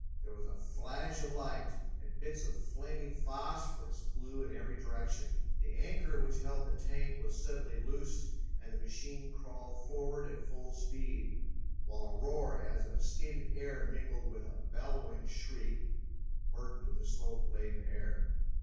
There was a flash of light, and bits of flaming phosphorus flew in every direction. The anchor which held the tank was suddenly loosed and the machine crawled forward at full speed, while a roar as of escaping air mingled with a bellowing shriek burdened the smoke laden air.